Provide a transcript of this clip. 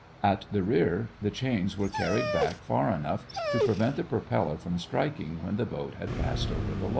At the rear the chains were carried back far enough to prevent the propeller from striking when the boat had passed over the log.